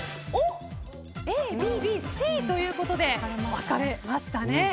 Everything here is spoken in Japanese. Ａ、Ｂ、Ｂ、Ｃということで分かれましたね。